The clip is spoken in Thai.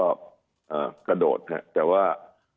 ก็กระโดดแต่ว่า